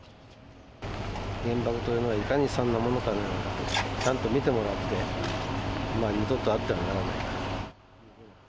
原爆というものが、いかに悲惨なものかということをちゃんと見てもらって、二度とあってはならない。